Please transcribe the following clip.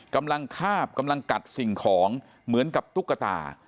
กำลังคาบกำลังกัดสิ่งของเหมือนกับตุ๊กตา